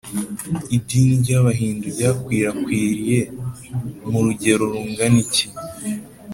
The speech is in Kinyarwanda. idini ry’abahindu ryakwirakwiriye mu rugero rungana iki?